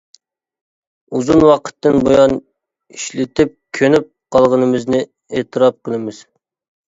ئۇزۇن ۋاقىتتىن بۇيان ئىشلىتىپ كۆنۈپ قالغىنىمىزنى ئېتىراپ قىلىمىز.